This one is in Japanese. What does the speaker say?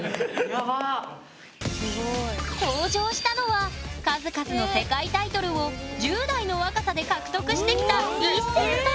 登場したのは数々の世界タイトルを１０代の若さで獲得してきたＩＳＳＥＩさん！